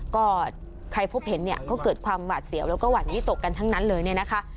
ก็ใครพบเห็นเนี่ยก็เกิดความหวาดเสียวแล้วก็หวั่นวิตกกันทั้งนั้นเลยเนี่ยนะคะ